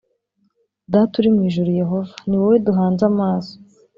Data uri mu ijuru Yehova ni wowe duhanze amaso